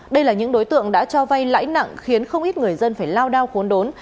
đây là những đối tượng đã cho vay lãi nặng khiến không ít người dân phải lao đao khốn đốn